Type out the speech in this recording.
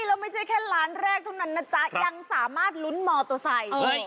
แล้วไม่ใช่แค่ร้านแรกเท่านั้นนะจ๊ะยังสามารถลุ้นมอเตอร์ไซค์